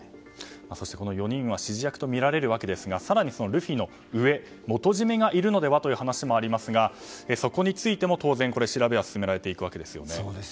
そして４人は指示役とみられるわけですが更にルフィの上元締めがいるのではという話もありますがそこについても当然調べは進められていくわけですよね。